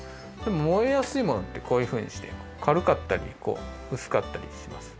もえやすいものってこういうふうにしてかるかったりうすかったりします。